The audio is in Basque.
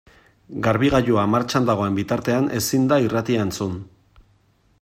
Garbigailua martxan dagoen bitartean ezin da irratia entzun.